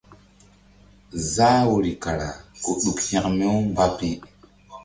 Zah woyri kara ku ɗuk hȩkme-umba pi.